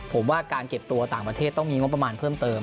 ผมว่าการเก็บตัวต่างประเทศต้องมีงบประมาณเพิ่มเติม